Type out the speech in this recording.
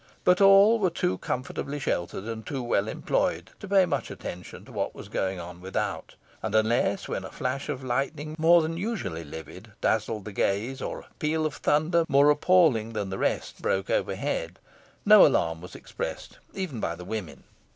But all were too comfortably sheltered, and too well employed, to pay much attention to what was going on without; and, unless when a flash of lightning more than usually vivid dazzled the gaze, or a peal of thunder more appalling than the rest broke overhead, no alarm was expressed, even by the women.